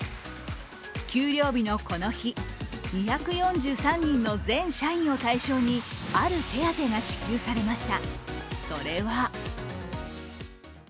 給料日のこの日２４３人の全社員を対象にある手当が支給されました。